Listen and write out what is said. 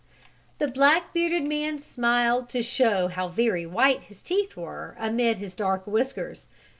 The black bearded man smiled to show how very white his teeth were amid his dark whiskers.